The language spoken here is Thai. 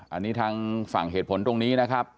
อันนี้ทางฝั่งเหตุผลตรงนี้นะครับ